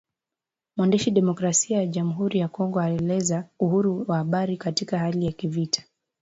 Mwandishi Demokrasia ya jamuhuri ya Kongo aeleza uhuru wa habari katika hali ya kivita